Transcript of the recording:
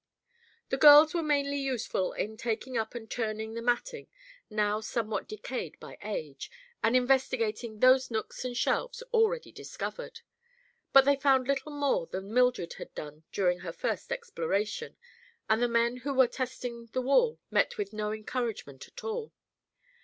The girls were mainly useful in taking up and turning the matting, now somewhat decayed by age, and investigating those nooks and shelves already discovered. But they found little more than Mildred had done during her first exploration, and the men who were testing the wall met with no encouragement at all.